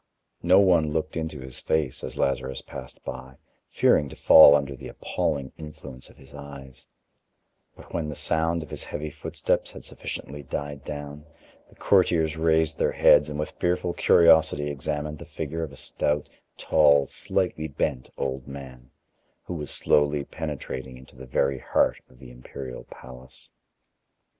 No one looked into his face, as Lazarus passed by, fearing to fall under the appalling influence of his eyes; but when the sound of his heavy footsteps had sufficiently died down, the courtiers raised their heads and with fearful curiosity examined the figure of a stout, tall, slightly bent old man, who was slowly penetrating into the very heart of the imperial palace.